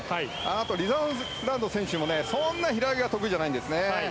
あと、リザーランド選手もそんなに平泳ぎが得意じゃないんですね。